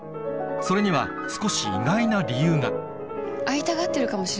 それには少し意外な理由が２人は。